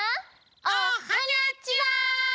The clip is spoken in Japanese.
おはにゃちは！